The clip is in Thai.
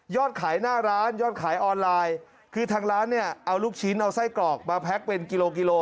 ขายหน้าร้านยอดขายออนไลน์คือทางร้านเนี่ยเอาลูกชิ้นเอาไส้กรอกมาแพ็คเป็นกิโลกิโล